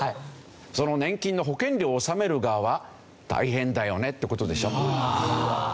その年金の保険料を納める側は大変だよねって事でしょ。